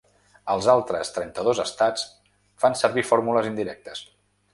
Els altres trenta-dos estats fan servir fórmules indirectes.